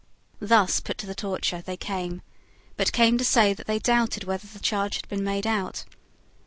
Thus put to the torture, they came, but came to say that they doubted whether the charge had been made out.